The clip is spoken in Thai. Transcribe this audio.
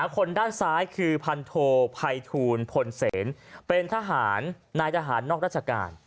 คนด้านซ้ายคือพันโทภัยทูลพลเสนเป็นทหารนายทหารนอกราชการ